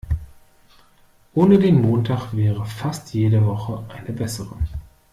Ohne den Montag wäre fast jede Woche eine bessere.